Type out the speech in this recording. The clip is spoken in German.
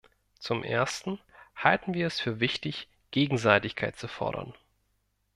Zum Ersten halten wir es für wichtig, Gegenseitigkeit zu fordern.